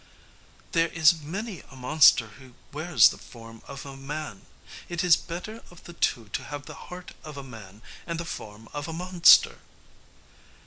"There is many a monster who wears the form of a man; it is better of the two to have the heart of a man and the form of a monster."